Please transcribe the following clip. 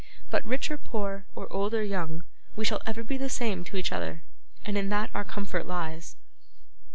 But rich or poor, or old or young, we shall ever be the same to each other, and in that our comfort lies.